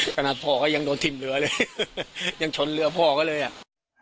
คณะพ่อเขายังโดดถิ่นเรือเลยยังชนเรือพ่อก็เลยอ่ะ